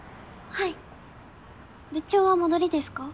はい部長は戻りですか？